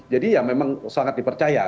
jadi ya memang sangat dipercaya